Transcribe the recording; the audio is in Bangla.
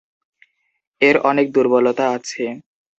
এর অনেক দূর্বলতা আছে।